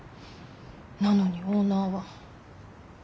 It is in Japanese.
なのにオーナーは。